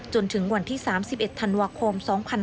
จนถึงวันที่๓๑ธันวาคม๒๕๕๙